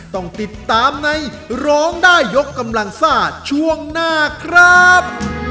ต้องติดตามในร้องได้ยกกำลังซ่าช่วงหน้าครับ